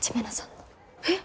えっ！